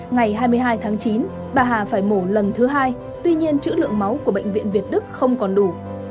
ngày hai mươi hai tháng chín bà hà phải mổ lần thứ hai tuy nhiên chữ lượng máu của bệnh viện việt đức không còn đủ